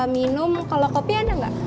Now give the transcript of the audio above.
minum kalau kopi ada nggak